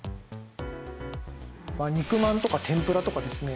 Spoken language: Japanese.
肉まんとか天ぷらとかですね